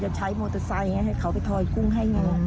ใช้มอเตอร์ไซค์ให้เขาไปทอยกุ้งให้ไง